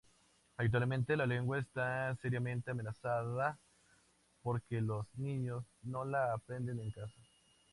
Actualmente, la lengua está seriamente amenazada porque los niños no la aprenden en casa.